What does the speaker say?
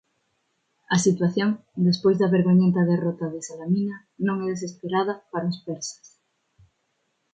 A situación despois da vergoñenta derrota de Salamina non é desesperada para os persas.